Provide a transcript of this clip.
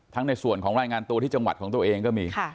ในส่วนของรายงานตัวที่จังหวัดของตัวเองก็มี